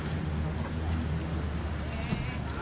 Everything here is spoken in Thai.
สวัสดีครับ